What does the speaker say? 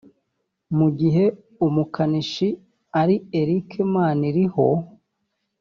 mu gihe umukanishi ari Eric Maniriho